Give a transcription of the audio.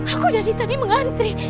aku dari tadi mengantri